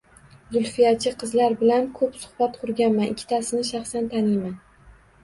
Zulfiyachi qizlar bilan ko‘p suhbat qurganman, ikkitasini shaxsan taniyman.